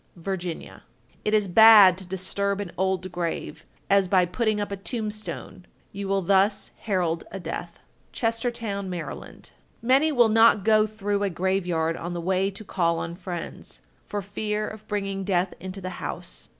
Virginia. 1265. It is bad to disturb an old grave, as by putting up a tombstone; you will thus herald a death. Chestertown, Md. 1266. Many will not go through a graveyard on the way to call on friends, for fear of bringing death into the house.